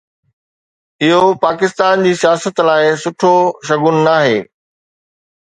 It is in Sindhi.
اهو پاڪستان جي سياست لاءِ سٺو شگون ناهي.